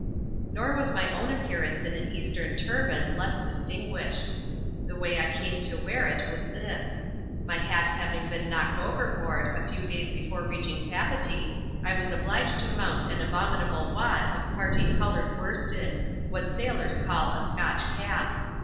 Nor was my own appearance in an Eastern turban less dis tinguished. The way I came to wear it was this. My hat having been knocked overboard, a few days before reaching Papeetee, I was obliged to mount an abominable wad of parti coloured worsted — what sailors call a Scotch cap.